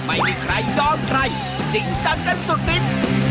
ไม่มีใครยอมไทยจริงจังกันสุดทิศ